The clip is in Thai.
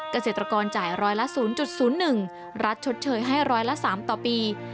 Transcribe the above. เกษตรกรจ่าย๑๐๐ละ๐๐๑รัฐชดเชยให้๑๐๓ต่อปี